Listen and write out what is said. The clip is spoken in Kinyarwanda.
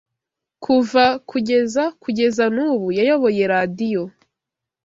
Kuva kugeza kugeza n’ ubu yayoboye Radiyo